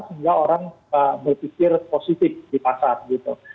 sehingga orang berpikir positif di pasar gitu